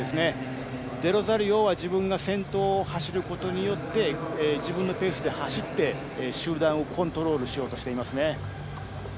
デロザリオは自分が先頭を走ることによって自分のペースで走って集団をコントロールしようとしています。